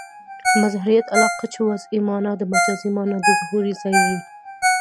مظهریت علاقه؛ چي وضعي مانا د مجازي مانا د ظهور ځای يي.